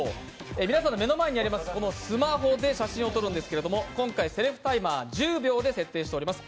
皆さんの目の前にあるこのスマホで写真を撮るのですが今回セルフタイマー、１０秒で設定しています。